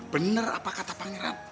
benar apa kata pangeran